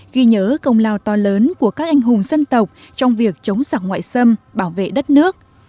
ghi nhớ công lao to lớn của các anh hùng dân tộc trong việc chống giặc ngoại xâm bảo vệ đất nước